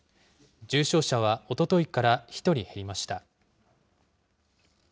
重症者はおとといから１人減りました。